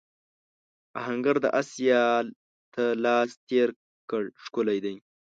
آهنګر د آس یال ته لاس تېر کړ ښکلی دی.